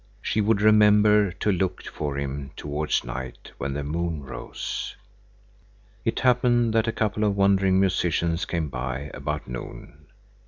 She would remember to look for him towards night when the moon rose. It happened that a couple of wandering musicians came by about noon.